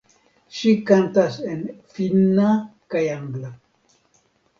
Ŝi kantas en finna kaj angla.